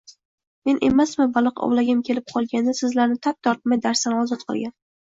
Men emasmi, baliq ovlagim kelib qolganda sizlarni tap tortmay darsdan ozod qilgan